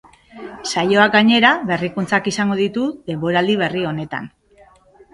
Saioak gainera, berrikuntzak izango ditu denboraldi berri honetan.